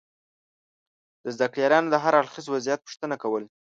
د زده کړیالانو دهر اړخیز وضعیت پوښتنه کول